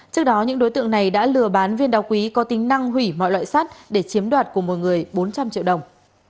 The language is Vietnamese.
trước đó những đối tượng này đã lừa bán viên đa quý có tính năng hủy mọi loại sắt để chiếm đoạt của một người bốn trăm linh triệu đồng